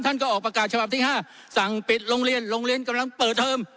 ท่านก็ออกประกาศฉบับที่๕สั่งปิดโรงเรียนโรงเรียนกำลังเปิดเทอม